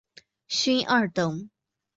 勋二等。